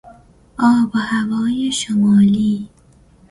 آب و هوای شمالی